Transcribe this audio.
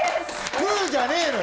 プーじゃねえのよ。